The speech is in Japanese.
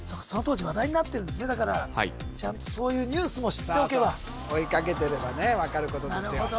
その当時話題になってるんですねだからちゃんとそういうニュースも知っておけば追いかけてればわかることですよ